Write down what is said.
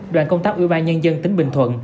đoàn công tác ủy ban nhân dân tỉnh bình thuận